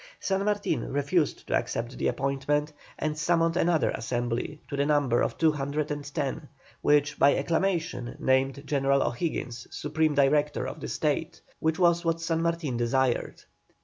San Martin refused to accept the appointment, and summoned another Assembly, to the number of two hundred and ten, which by acclamation named General O'Higgins Supreme Director of the State, which was what San Martin desired.